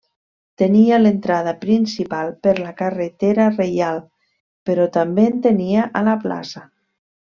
Tenia l'entrada principal per la carretera reial, però també en tenia a la plaça.